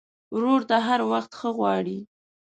ورور ته هر وخت ښه غواړې.